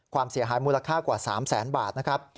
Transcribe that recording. ความเสียหายมูลค่ากว่า๓๐๐๐๐๐